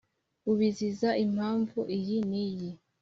ubiziza impamvu iyi n’iyi